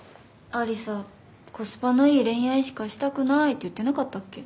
アリサコスパのいい恋愛しかしたくないって言ってなかったっけ？